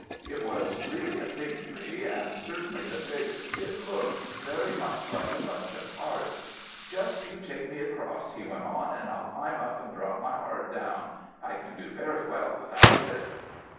It was really a fig tree, and certainly the figs did look very much like a bunch of hearts. "Just you take me across," he went on, "and I'll climb up and drop my heart down; I can do very well without it."